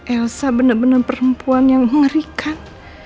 elsa benar benar perempuan yang mengerikan